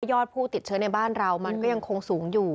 อดผู้ติดเชื้อในบ้านเรามันก็ยังคงสูงอยู่